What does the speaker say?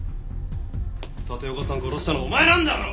立岡さん殺したのお前なんだろ？